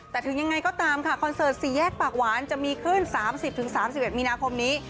แต่ถึงยังไงก็ตามค่ะคอนเสิร์ต๔แยกปากหวานจะมีขึ้น๓๐๓๑มีนาคมนี้